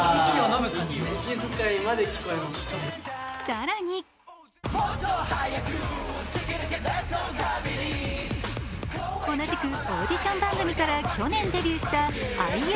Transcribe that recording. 更に同じくオーディション番組から去年デビューしたＩＮＩ。